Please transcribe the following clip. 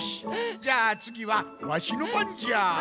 じゃあつぎはわしのばんじゃ。